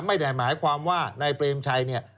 ไม่ได้หมายความว่านายเปรมชัยเนี่ย